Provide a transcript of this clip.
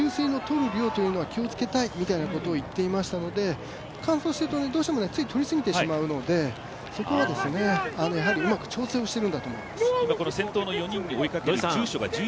給水の取る量は気をつけたいと言っていましたので乾燥していると、つい取りすぎてしまうので、そこはうまく調整しているんだと思います。